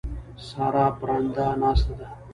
سارا برنده ناسته ده.